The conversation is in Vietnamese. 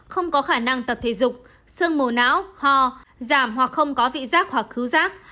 không có khả năng tập thể dục sương mồ não ho giảm hoặc không có vị giác hoặc khứ giác